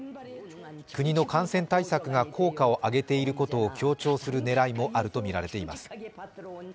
国の感染対策が効果を上げていることを強調する狙いもあるとみられています。